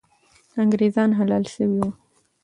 انګریزان حلال سوي وو.